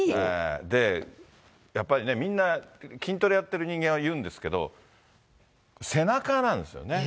で、やっぱりね、みんな筋トレやってる人間は言うんですけど、背中なんですよね。